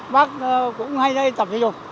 bác cũng hay đây tỏ